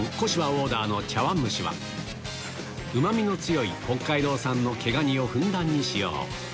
オーダーの茶碗蒸しはうまみの強い北海道産の毛ガニをふんだんに使用